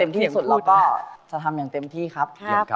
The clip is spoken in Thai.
ที่สุดเราก็จะทำอย่างเต็มที่ครับ